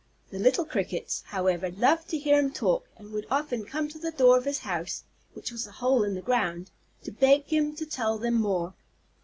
The little Crickets, however, loved to hear him talk, and would often come to the door of his house (which was a hole in the ground), to beg him to tell them more.